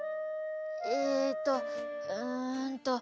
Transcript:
えとうんと。